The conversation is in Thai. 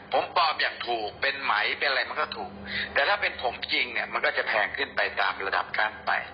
ผมตอบอย่างถูกเป็นไหมเป็นอะไรมันก็ถูกแต่ถ้าเป็นผมจริงเนี่ยมันก็จะแพงขึ้นไปตามระดับขั้นต่ำ